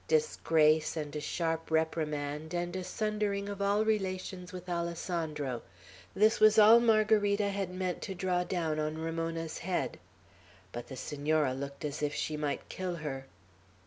Disgrace, and a sharp reprimand, and a sundering of all relations with Alessandro, this was all Margarita had meant to draw down on Ramona's head. But the Senora looked as if she might kill her.